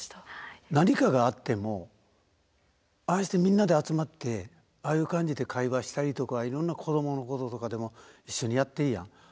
何かがあってもああしてみんなで集まってああいう感じで会話したりとかいろんな子どものこととかでも一緒にやっていいやん。